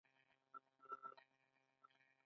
بودیزم په دې دوره کې خپور شو